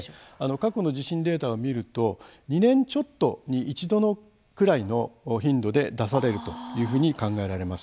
過去の地震データを見ると２年ちょっとに一度くらいの頻度で出されるというふうに考えられます。